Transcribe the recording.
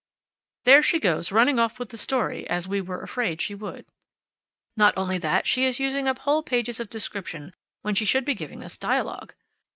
There she goes, running off with the story, as we were afraid she would. Not only that, she is using up whole pages of description when she should be giving us dialogue.